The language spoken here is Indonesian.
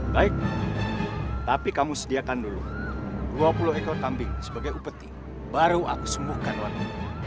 baik tapi kamu sediakan dulu dua puluh ekor kambing sebagai upeti baru aku sembuhkan waktu